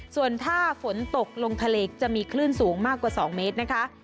ส่วนถ้าฝนตกลงทะเลจะมีคลื่นสูงมากกว่า๒เมตรนะคะ